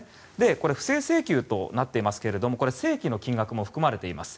これ、不正請求となっていますが正規の金額も含まれています。